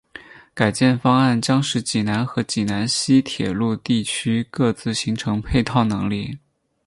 改建方案将使济南和济南西铁路地区各自形成配套能力。